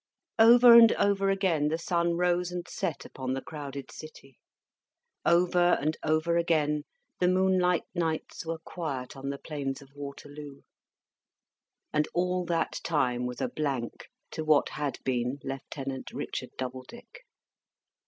Over and over again the sun rose and set upon the crowded city; over and over again the moonlight nights were quiet on the plains of Waterloo: and all that time was a blank to what had been Lieutenant Richard Doubledick.